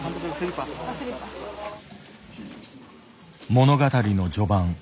物語の序盤